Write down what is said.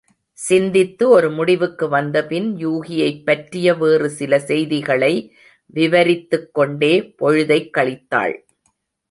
சிந்தித்து ஒரு முடிவுக்கு வந்தபின் யூகியைப் பற்றிய வேறு சில செய்திகளை விவரித்துக்கொண்டே பொழுதைக் கழித்தாள்.